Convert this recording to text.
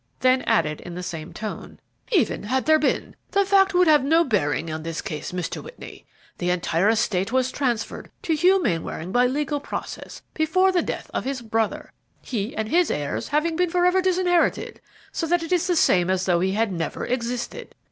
Then added, in the same tone, "Even had there been, that fact would have no bearing on this case, Mr. Whitney. The entire estate was transferred to Hugh Mainwaring by legal process before the death of his brother, he and his heirs having been forever disinherited, so that it is the same as though he had never existed."